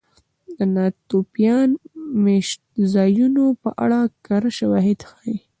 د ناتوفیان مېشتځایونو په اړه کره شواهد ښيي.